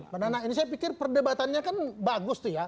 mbak nana ini saya pikir perdebatannya kan bagus tuh ya